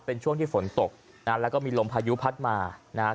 เป็นช่วงที่ฝนตกนะฮะแล้วก็มีลมพายุพัดมานะฮะ